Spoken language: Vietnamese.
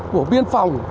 của biên phòng